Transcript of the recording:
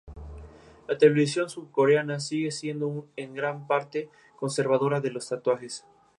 El primer episodio tiene lugar en las ruinas de la ciudad de Los Ángeles.